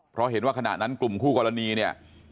เพราะเห็นว่าขณะนั้นกลุ่มคู่กรณีเนี่ย